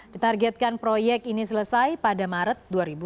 ditargetkan proyek ini selesai pada maret dua ribu dua puluh